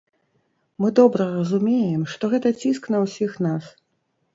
Мы добра разумеем, што гэта ціск на ўсіх нас.